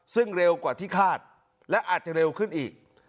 ซึ่งเร็วกว่าที่คาดและอาจจะเร็วขึ้นอีก